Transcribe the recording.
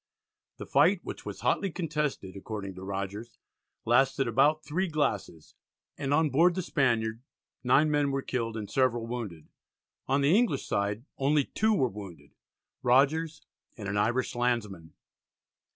The fight, which was hotly contested, according to Rogers, lasted "about three glasses," and on board the Spaniard 9 men were killed and several wounded. On the English side only two were wounded, Rogers and an Irish landsman.